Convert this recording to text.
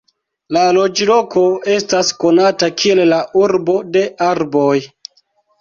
La loĝloko estas konata kiel la "Urbo de Arboj".